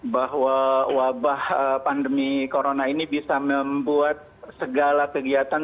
bahwa wabah pandemi corona ini bisa membuat segala kegiatan